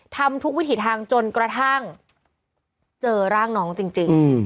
ทำทุกวิถีทางจนกระทั่งเจอร่างน้องจริง